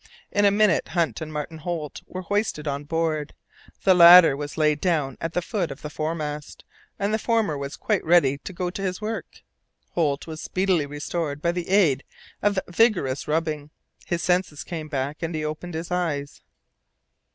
In a minute Hunt and Martin Holt were hoisted on board; the latter was laid down at the foot of the fore mast, and the former was quite ready to go to his work. Holt was speedily restored by the aid of vigorous rubbing; his senses came back, and he opened his eyes.